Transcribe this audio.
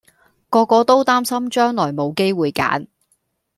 個個都擔心將來冇機會揀